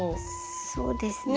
そうですね。